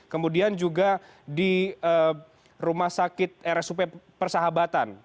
kemudian juga di rumah sakit rsup persahabatan